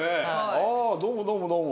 あどうもどうもどうも。